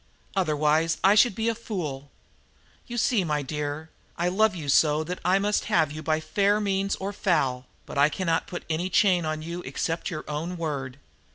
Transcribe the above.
Otherwise I should be a fool. You see, my dear, I love you so that I must have you by fair means or foul, but I cannot put any chain upon you except your own word.